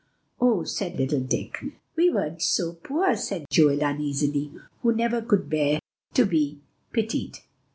"Oh!" said little Dick. "We weren't so very poor," said Joel uneasily, who never could bear to be pitied.